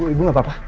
ibu gak apa apa